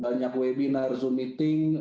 banyak webinar zoom meeting